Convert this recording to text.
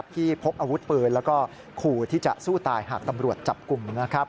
ที่พบอาวุธปืนและคู่ที่จะสู้ตายหากตำรวจจับกลุ่ม